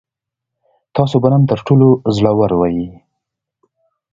تاسو به نن تر ټولو زړور وئ.